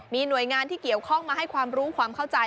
มีหน่วยงานที่เกี่ยวข้องมาให้ความรู้ความเข้าใจ